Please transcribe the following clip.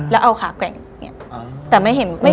แล้วเอาขาแกร่งอย่างนี้